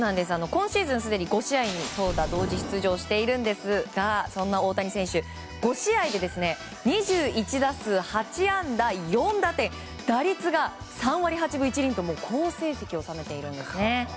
今シーズンすでに５試合に投打出場しているんですがそんな大谷選手５試合で２１打数８安打４打点打率が３割８分１厘と好成績を収めているんです。